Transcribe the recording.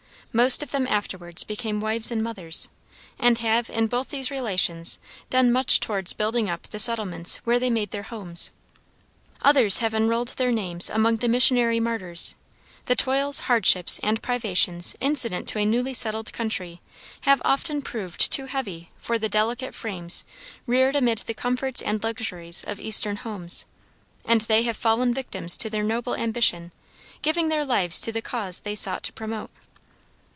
Most of them afterwards became wives and mothers, and have in both these relations done much towards building up the settlements where they made their homes. Others have enrolled their names among the missionary martyrs. The toils, hardships, and privations incident to a newly settled country have often proved too heavy for the delicate frames reared amid the comforts and luxuries of eastern homes, and they have fallen victims to their noble ambition, giving their lives to the cause they sought to promote.